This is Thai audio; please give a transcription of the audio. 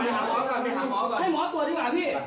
แล้วกินยาไหมน้องดูหน่อย